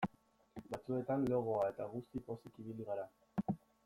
Batzuetan logoa eta guzti pozik ibili gara.